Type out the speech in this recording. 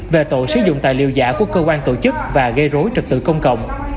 về tội sử dụng tài liệu giả của cơ quan tổ chức và gây rối trật tự công cộng